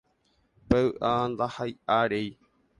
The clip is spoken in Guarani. Pe vy'a ndahi'aréi